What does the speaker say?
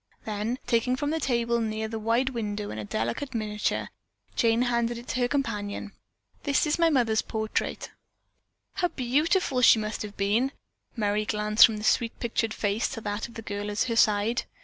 Then taking from the table near the wide window a delicate miniature, Jane handed it to her companion. "That is my mother's portrait." "How beautiful she must have been." Merry glanced from the sweet pictured face to that of the girl at her side.